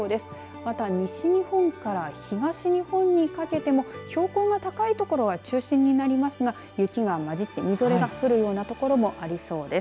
また西日本から東日本にかけても標高が高い所が中心になりますが雪がまじってみぞれが降るような所もありそうです。